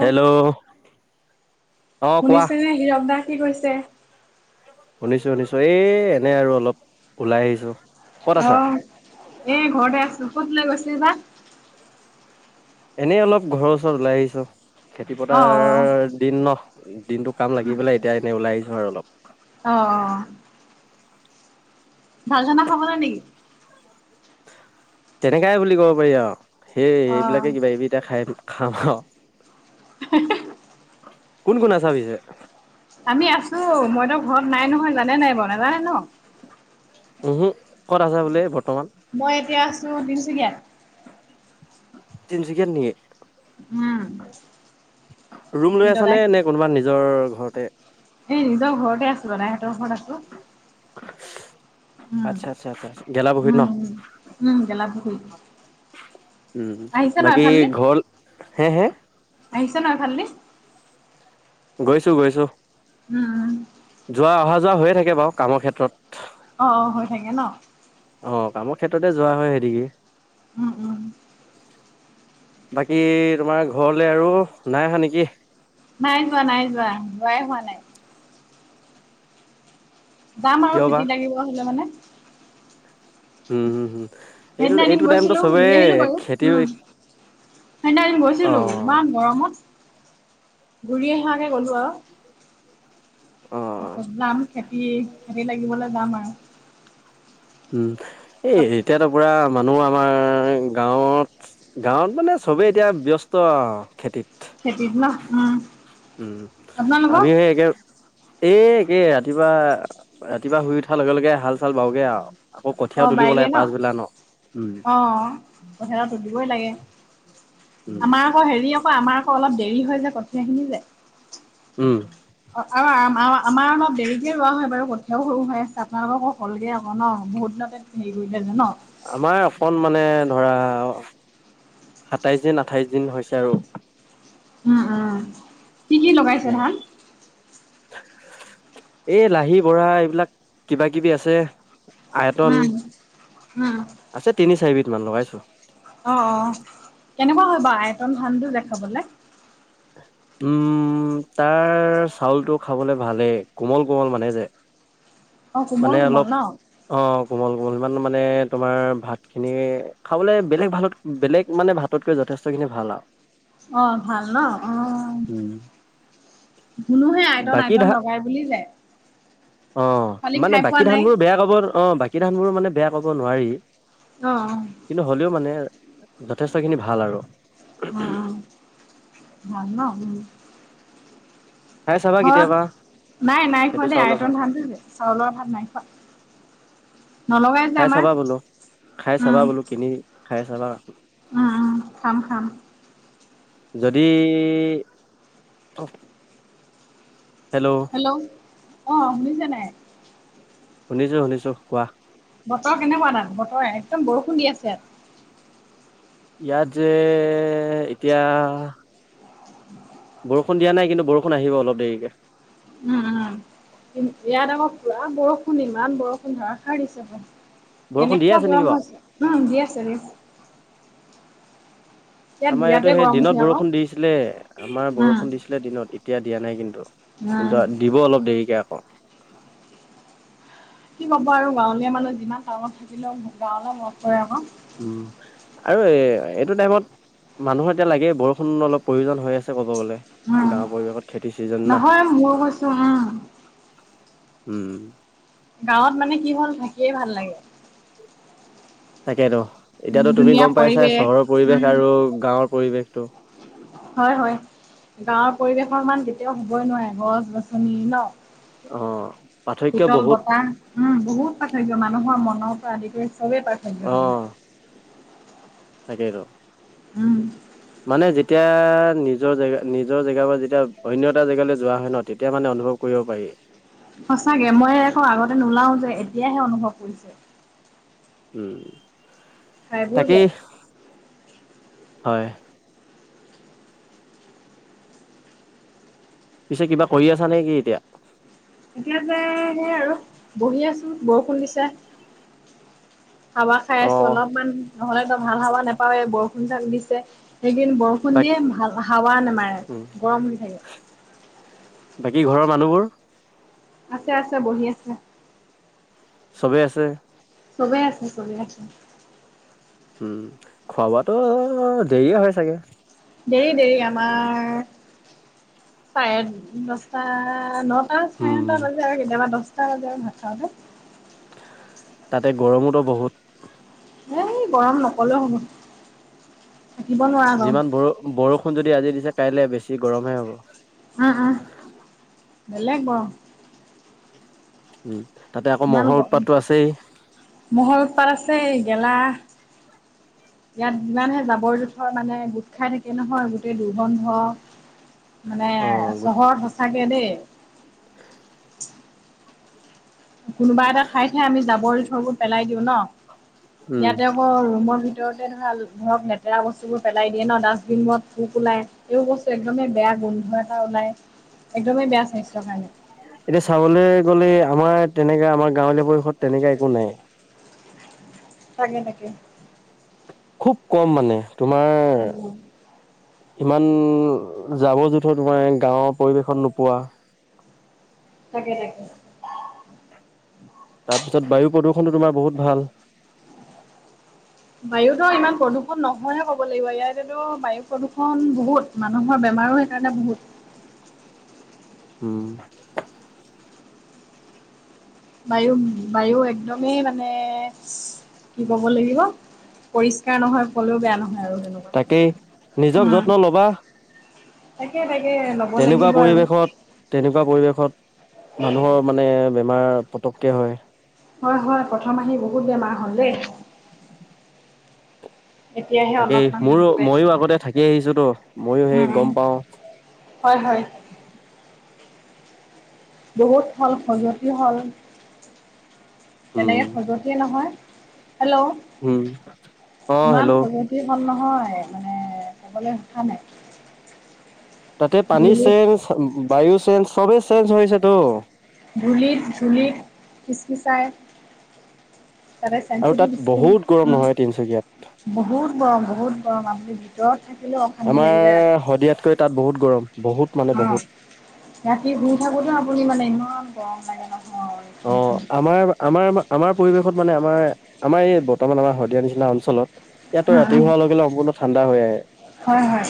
Hello! অ কোৱা শুনিছে নে হীৰক দা কি কৰিছে? শুনিছোঁ, শুনিছোঁ এই এনে আৰু অলপ ওলাই আহিছোঁ। অ', এ, ঘৰতে আছোঁ। ক'ত ওলাই গৈছিল বা? এনেই অলপ ঘৰৰ ওচৰত ওলাই আহিছোঁ, খেতি অ' অ' পথাৰ দিন ন'। দিনটো কাম লাগি পেলাই এতিয়া এনেই ওলাই আহিছোঁ আৰু অলপ। অ', অ'। ভাল খানা খাবলৈ নেকি? তেনেকাই বুলি ক'ব পাৰি আৰু সেই অ' এইবিলাকে কিবা কিবি এতিয়া খাই খাম আৰু। [inaudible] কোন, কোন আছা পিছে? আমি আছোঁ, মইতো ঘৰত নাই নহয়, জানে নাই বাৰু নাজানে ন'? উহু, ক'ত আছা বোলে বৰ্তমান? মই এতিয়া আছোঁ তিনিচুকীয়াত। তিনিচুকীয়ত নেকি? উম। ৰুম লৈ আছা দদাই নে, কোনোবা নিজৰ ঘৰতে? এ, নিজৰ ঘৰতে আছোঁ মানে ইহেতৰ ঘৰতে আছোঁ। আচ্ছা, আচ্ছা, আচ্ছা গেলা [unintelligible] উম ন'! উম উম গেলাপুখুৰীত উম, আহিছে ন বাকী এইফালেদি? ঘৰ? হে, হে? আহিছে ন' এইফাল দি? গৈছোঁ, গৈছোঁ। অঁ। যোৱা অহা-যোৱা হৈয়ে থাকে বাৰু, কামৰ ক্ষেত্ৰত। অ, অ, হৈ থাকে ন! অ, কামৰ ক্ষেত্ৰতে যোৱা হয়, সেইদিগে। উম, উম। বাকী, তোমাৰ ঘৰলে আৰু নাই অহা নেকি? নাই যোৱা, নাই যোৱা, যোৱাই হোৱা নাই। যাম আৰু কিয় বা খেতিত লাগিব হ'লে মানে। উম হম হম এইটো সেইদিনা এদিন এইটো টাইমতো গৈছিলো, চবেই ঘূৰি আহিলো বাৰু। খেতি উম। সেইদিনা এদিন অ গৈছিলো, ইমান গৰমত। ঘূৰি অহাকে গ'লো আৰু, অ তাৰপিছত [unintelligible] খেতি হেৰি লাগিবলৈ যাম আৰু। উম, এই এতিয়াতো পুৰা মানুহ আমাৰ গাঁৱৰ গাঁৱত মানে চবেই এতিয়া ব্যস্ত আৰু খেতিত। খেতি ন, উম। উম, আপোনালোকৰ আমিও হে একে এই একে ৰাতিপুৱা, ৰাতিপুৱা শুই উঠাৰ লগে-লগে হাল-চাল বওগে আৰু। আকৌ কঠীয়াও অ তুলিব বাইগে লাগে, ন পাছবেলা ন। অ। কঠীয়াটো তুলিবই লাগে। উম আমাৰ আকৌ হেৰি, আকৌ আমাৰ আকৌ অলপ দেৰি হৈ যায়, কঠীয়াখিনি যে উম। অ, আৰু আম আমাৰ অলপ দেৰিকে ৰোৱা হয় বাৰু, কঠীয়াও সৰু হৈ আছে, আপোনালোককো হ'লগে আকৌ ন, বহুত দিনতে হেৰি কৰিলেনে ন। আমাৰ অকণ মানে ধৰা, সাতাইশ দিন, আঠাইশ দিন হৈছে আৰু। উম, উম। কি কি লগাইছে ধান [unintelligible] এই লাহি বঢ়া, এইবিলাক কিবা-কিবি আছে। উম, আয়তন উম, আছে, তিনি- চাৰিবিধ মান লগাইছো। অ, অ, কেনেকুৱা হয় বাৰু আয়তন ধানটো যে খাবলে? উম, তাৰ চাউলটো খাবলে ভালেই, কোমল-কোমল মানে যে। অ', কোমল মানে কোমল অলপ ন? অ, কোমল-কোমল, ইমান মানে তোমাৰ ভাত খিনি খাবলে বেলেগ ভাতত বেলেগ মানে ভাততকৈ যথেষ্টখিনি ভাল আৰু। অ, ভাল ন, অ। উম শুনোহে আইতন- বাকী আইতন ধা লগাই বুলি যে। অ, খালি মানে খাই পোৱা বাকী নাই। ধানবোৰ বেয়া ক'ব অ, বাকী ধানবোৰ মানে বেয়া ক'ব নোৱাৰি। অ। কিন্তু হ'লেও মানে, যথেষ্ট খিনি ভাল আৰু। অ, অ, ভাল ন, উম। খাই চাবা কেতিয়াবা ঘৰত, নাই-নাই সেইটো খোৱা দেই, চাউলৰ ভাত আইতন ধানটো যে, চাউলৰ ভাত নাই খোৱা। নলগাই যে খাই আমাৰ। চাবা বোলো, খাই চাবা উম, বোলো, কিনি খাই চাবা বোলো। উম, উম, খাম-খাম। যদি! অ'। হেল্ল'। হেল্ল' অ' শুনিছে নাই? শুনিছো শুনিছো কোৱা। বতৰ কেনেকুৱা তাত বতৰ একদম বৰষুণ দি আছে। ইয়াত যে- এতিয়া বৰষুণ দিয়া নাই কিন্তু বৰষুণ আহিব অলপ দেৰিকে। অ', অ', ইয়াত আকৌ পুৰা বৰষুণ ইমান বৰষুণ ধৰাষাৰ দিছে বৰষুণ দিয়ে কেনেকুৱা আছে নেকি গৰম বাৰু হৈছে দি আছে দি আছে। ইয়াত আমাৰ ইয়াতো বিৰাতে সেই গৰম উঠে দিনত আকৌ বৰষুণ দিছিলে আমাৰ উম বৰষুণ দিছিলে দিনত এতিয়া দিয়া নাই কিন্তু। উম কিন্তু দিব অলপ দেৰিকে আকৌ। কি পাব আৰু গাঁৱলীয়া মানুহ যিমান টাউনত থাকিলেও গাঁৱলৈ মনত পৰে আকৌ। উম আৰু এ' এইটো টাইমত মানুহৰ এতিয়া লাগে বৰষুণ অলপ প্ৰয়োজন হৈ আছে ক'ব গলে উম গাঁওৰ পৰিৱেশত খেতি চিজন না। নহয় মোৰ কৈছো উম উম। গাঁৱত মানে কি হ'ল থাকিয়ে ভাল লাগে। তাকেইতো এতিয়াতো তুমি ধুনীয়া গম পাইছা পৰিৱেশ চহৰৰ পৰিৱেশ উম আৰু গাঁৱৰ পৰিৱেশ টো। হয় হয় গাঁৱৰ পৰিৱেশৰ ইমান কেতিয়াও হবই নোৱাৰে গছ-গছনি ন'। অ [unintelligible] পাৰ্থক্য শিতল বহুত বতাহ উম বহুত পাৰ্থক্য মানুহৰ মনৰ পৰা আদি কৰি সবেই পাৰ্থক্য তাৰমানে। তাকেইটো। উম। মানে যেতিয়া নিজৰ জেগা নিজৰ জেগা পৰা যেতিয়া অন্য এটা জেগালৈ যোৱা হয় ন তেতিয়া মানে অনুভৱ কৰিব পাৰি। সঁচাকে মই আকৌ আগতে নোলাওঁ যে এতিয়াহে অনুভৱ কৰিছো। উম ঠাইবোৰ যে তাকেই হয়। পিছে কিবা কৰি আছা নে'কি এতিয়া? এতিয়া যে সেই আৰু বহি আছো বৰষুণ দিছে। হাৱা খাই অ আছো অলপমান নহ'লেতো ভাল হাৱা নোপাৱে বৰষুণ জাক দিছে। এই কেইদিন বৰষুণ দিয়ে বাকী ভাল হাৱা নামাৰে উম গৰম হৈ থাকে। বাকী ঘৰৰ মানুহবোৰ? আছে আছে বহি আছে। চবেই আছে? সবেই আছে সবে আছে। উম খোৱা-বোৱা তো দেৰিয়ে হয় চাগে? দেৰি দেৰি আমাৰ চাৰে দছটা ন' চাৰে উম নটা বাজে আৰু কেতিয়াবা দহটা বাজে আৰু ভাত খাওঁতে। তাতে গৰমোতো বহুত। এ' গৰম নকলেও হব। থাকিব নোৱা যিমান বৰ -বৰষুণ যদি আজি দিছে কাইলৈ বেছি গৰমহে হব। আ' আ বেলেগ গৰম তাতে আকৌ ইমান মহ'ৰ গৰম উৎপাতটো আছেই। মহৰ উৎপাত আছে গেলা। ইয়াত যিমানহে জাবৰ জোঁথৰ মানে গোট খাই থাকে নহয় গোটেই দুৰ্গন্ধ। মানে অ গুড চহৰত সচাকে দেই। কোনোবা এটা ঠাই হে আমি জাবৰ-জোথৰবোৰ পেলাই দিওঁ ন, উম ইয়াতে [unintelligible] ৰুমৰ ভিতৰতে ধৰা, ধৰক লেতেৰা বস্তুবোৰ পেলাই দিয়ে ন', ডাষ্টবিনত পোক ওলাই। এই বস্তু একদমেই বেয়া, গোন্ধ এটা ওলাই, একদমেই বেয়া স্বাস্থ্যৰ কাৰণে। এতিয়া চাবলৈ গ'লে আমাৰ তেনেকা আমাৰ গাঁৱলীয়া পৰিষদ তেনেকে একো নাই। তাকে, তাকে। খুব কম মানে, তোমাৰ উম ইমান জাবৰ- জোথৰ তোমাৰ গাঁৱৰ পৰিৱেশত নোপোৱা। তাকে, তাকে। তাৰপিছত বায়ু প্ৰদূষণটো তোমাৰ বহুত ভাল। বায়ুতো ইমান প্ৰদূষণ নহয়হে ক'ব লাগিব, ইয়াতেতো বায়ু প্ৰদূষণ বহুত। মানুহৰ বেমাৰো সেইকাৰণে বহুত। উম। বায়ু, বায়ু একদমেই মানে কি ক'ব লাগিব? পৰিষ্কাৰ নহয় ক'লেও বেয়া নহয় আৰু সেনেকুৱা। তাকেই নিজক উম। যত্ন ল'বা তাকে, তাকে, ল'ব তেনেকুৱা লাগিব আৰু। পৰিৱেশত তেনেকুৱা পৰিৱেশত মানুহৰ মানে বেমাৰ পতককে হয়। হয়, হয়, প্ৰথম আহি বহুত বেমাৰ হ'ল দেই। এতিয়াহে তাকেই, অলপমান মোৰো শান্তি পাইছো মইো আগতে থাকি আহিছো তো, ময়ো উম সেই উম গম পাও। হয়, হয়। বহুত হ'ল খজুৱতি হ'ল, উম তেনেকৈ খজুৱতিয়ে নহয়। হেল্ল'! উম, অ, হেল্ল'! কি কম নহয়, মানে ক'বলৈ ভাষা নাই। তাতে পানী ধূলিত চেঞ্জ, বায়ু চেঞ্জ, চবে চেঞ্জ হৈছেতো। ধূলিত, ধূলিত খিচ- খিচাই। তাতে আৰু চেনচিটিভ তাত স্কিন। বহুত গৰম নহয় তিনচুকীয়াত বহুত গৰম, বহুত গৰম, আপুনি ভিতৰত থাকিলেও অশান্তি লাগি যায়, ৰা তকৈ তাত বহুত গৰম, বহুত মানে অ, বহুত ৰাতি শুই থাকোতে আপুনি মানে ইমান গৰম লাগে নহয়! অ, উম আমাৰ, আমাৰ, আমাৰ পৰিৱেশত মানে আমাৰ আমাৰ এই বৰ্তমান আমাৰ শদিয়াৰ নিচিনা অঞ্চলত ইয়াততো ৰাতি উম হোৱাৰ লগে-লগে [unintelligible] ঠাণ্ডা হৈ আহে। হয়, হয়।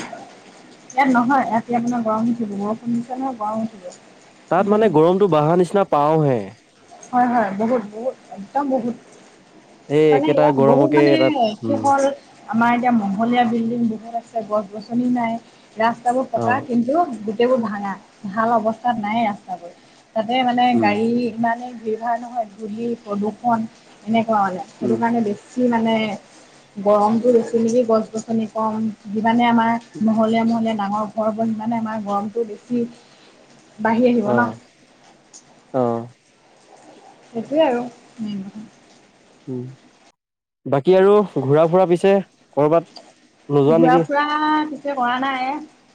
ইয়াত নহয়, ৰাতি আপোনাৰ গৰম উঠিব, বৰষুণ দিছে নহয় গৰম উঠিব। তাত মানে তেনেকে গৰমতটো বাঢ়া নিচিনা পাওঁহে। হয়, হয়, বহুত বহুত একদম বহুত। এই মানে একেটা ইয়াত বহুত গৰমকে মানে তাত কি উম হ'ল? আমাৰ এতিয়া মহলীয়া বিল্ডিং বহুত আছে, গছ-গছনি নাই। ৰাস্তাবোৰ অ পকা, কিন্তু গোটেইবোৰ ভাঙা, ভাল অৱস্থাত নাই ৰাস্তাবোৰ। তাতে মানে উম গাড়ী ইমানেই ভিৰ হয় নহয়, ধূলি-প্ৰদূষণ এনেকুৱা মানে। সেইটো উম কাৰণে বেছি মানে, গৰমটো বেছি মিলি গছ-গছনি কম। যিমানে আমাৰ মহলীয়া- মহলীয়া ডাঙৰ ঘৰ হ'ল সিমানে আমাৰ গৰমটো বেছি বাঢ়ি আহিব অ ন! অ। সেইটোয়ে আৰু। উম, বাকী আৰু ঘূৰা-ফুৰা পিছে ক'ৰবাত নোযোৱা ঘুৰা নেকি ফুৰা ৰা এতিয়া কৰা নাই,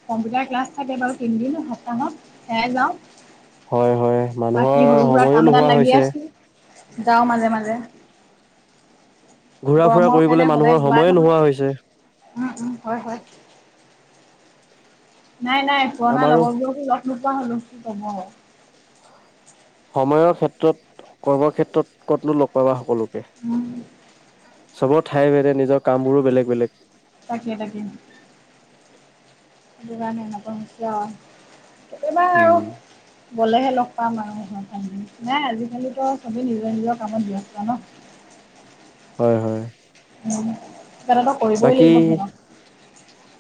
কম্পিউটাৰ ক্লাছ থাকে বাৰু তিনদিন সপ্তাহত, সেয়াই যাওঁ। হয়, হয়, মানুহৰ বাকী সৰু সুৰা সময়ো কাম এটাত নোহোৱা লাগি হৈছে। আছো যাওঁ মাজে- মাজে। ঘূৰা ফুৰা গৰমৰ কৰিবলৈ কাৰণে সদায় মানুহৰ যোৱাই সময়ে নহয় নোহোৱা হৈছে উম, উম, হয়, হয়। নাই, নাই পুৰণা আমাৰো লগৰবোৰকো লগ নোপোৱা হ'লো কি ক'ব! সময়ৰ ক্ষেত্ৰত কৰ্মক্ষেত্ৰত ক'তনো লগ পাবা সকলোকে। উম চবৰ ঠাই ভেদে নিজৰ কামবোৰো বেলেগ, বেলেগ। তাকে, তাকে। [unintelligible] এনেকুৱা হৈছে আৰু কেতিয়াবা আৰু উম। গ'লেহে লগ পাম আৰু, [unintelligible] নাই আজিকালি বাৰু চবেই নিজৰ নিজৰ কামত ব্যস্ত ন। [inaudible] হয়, হয়। [inaudible] [inaudible] বাকী, ধৰা।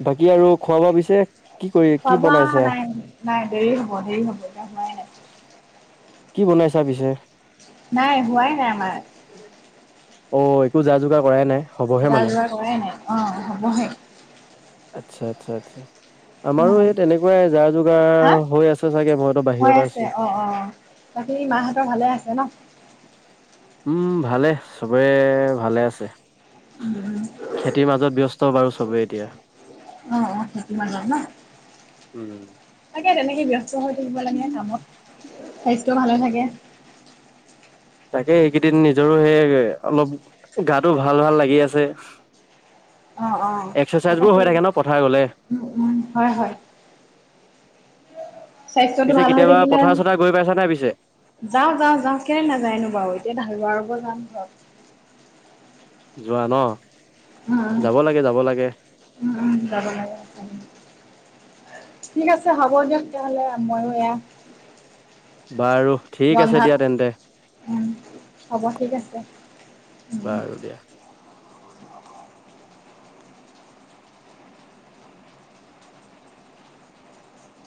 বাকী আৰু খোৱা-বোৱা পিছে কি কৰি, খোৱা কি বোৱা বনাইছা? নাই নাই দেৰি হ'ব, দেৰি হ'ব, এতিয়া হোৱাই নাই। কি বনাইছা পিছে? নাই, হোৱাই নাই আমাৰ। অ', একো যা-যোগাৰ কৰাই নাই। হ'বহে মানে যা-যোগাৰ কৰাই নাই অ', হ'বহে। আচ্ছা, আচ্ছা, আচ্ছা। অ আমাৰো এই তেনেকুৱাই, যা- যোগাৰ হা হৈ আছে চাগে, মইতো হৈ বাহিৰত আছে আছোঁ। অ অ বাকী মাহঁতৰ ভালে আছে ন? উম, ভালে চবে ভালে আছে। উম খেতিৰ মাজত ব্যস্ত বাৰু চবেই এতিয়া। অ অ সেইটো মাজত ন উম। তাকে তেনেকে ব্যস্ত হৈ থাকিব লাগে কামত, স্বাস্থ্য ভালে থাকে। তাকে এইকেইদিন নিজৰো সেই অলপ গাটো ভাল, ভাল লাগি আছে। অ অ এক্সাৰচাইজবোৰ হৈ তাকেই থাকে ন পথাৰ গ'লে। উম, উম, হয়, হয়। স্বাস্থ্যটো পিছে ভাল হৈ কেতিয়াবা থাকিলে পথাৰ চথাৰ গৈ পাইছা নাই পিছে? যাওঁ, যাওঁ, যাওঁ, কেলে নাযায়নো বাৰু এতিয়া [unintelligible] যোৱা ন'? উম, যাব লাগে যাব লাগে। উম, যাব লাগে হয়। ঠিক আছে হ'ব দিয়ক তেতিয়াহ'লে ময়ো এয়া বাৰু ঠিক আছে ৰন্ধাত দিয়া, তেন্তে। উম, হ'ব ঠিক আছে। উম। বাৰু দিয়া।